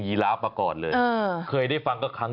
ยีราบขอยาวกินเก่งจัง